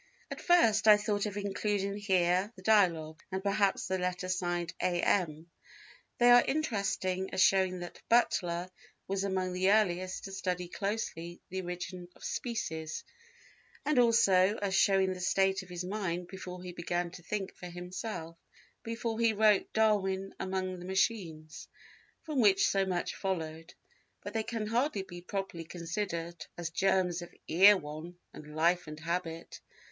At first I thought of including here the Dialogue, and perhaps the letter signed A. M. They are interesting as showing that Butler was among the earliest to study closely the Origin of Species, and also as showing the state of his mind before he began to think for himself, before he wrote Darwin among the Machines from which so much followed; but they can hardly be properly considered as germs of Erewhon and Life and Habit.